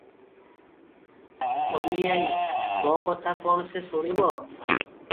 ଅନୀ ଆଈ - ମୋ କଥା କଣ ସେ ଶୁଣିବ?